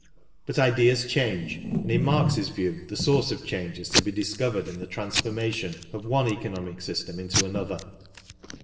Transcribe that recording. But ideas change, and in Marx's view, the source of change is to be discovered in the transformation of one economic system into another.